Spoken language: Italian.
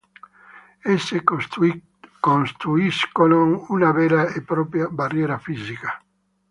Esse costituiscono una vera e propria barriera fisica.